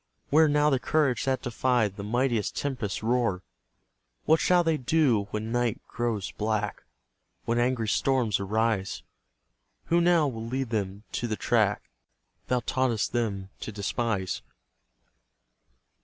Where now the courage that defied The mightiest tempest's roar? What shall they do when night grows black, When angry storms arise? Who now will lead them to the track Thou taught'st them to despise?